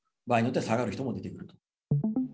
場合によっては下がる人も出てくると。